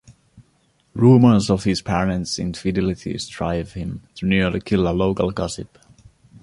Rumors of his parents' infidelities drive him to nearly kill a local gossip.